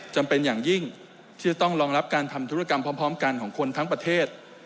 จำเป็นอย่างยิ่งที่จะต้องรองรับการทำธุรกรรมพร้อมกันของคนทั้งประเทศ